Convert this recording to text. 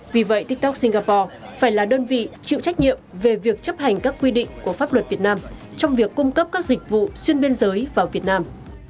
vì vậy tiktok singapore phải là đơn vị chịu trách nhiệm về việc chấp hành các quy định của pháp luật việt nam trong việc cung cấp các dịch vụ xuyên biên giới vào việt nam